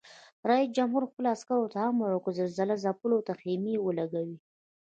رئیس جمهور خپلو عسکرو ته امر وکړ؛ زلزله ځپلو ته خېمې ولګوئ!